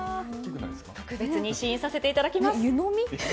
特別に試飲させていただきます。